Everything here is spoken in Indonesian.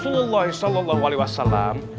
kalau kalian mengikuti sunnahnya rasulullah saw